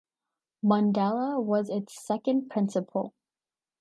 Mundella was its second Principal.